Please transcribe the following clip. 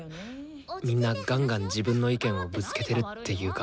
みんなガンガン自分の意見をぶつけてるっていうか。